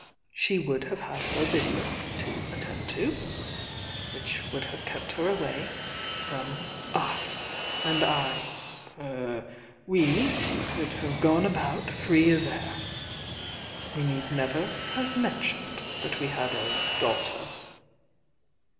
She would have had her business to attend to, which would have kept her away from f/s,— and I— we— could have gone about free as air. We need never have mentioned that we had a daughter."